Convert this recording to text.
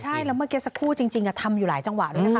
ใช่แล้วเมื่อกี้สักครู่จริงทำอยู่หลายจังหวะด้วยนะคะ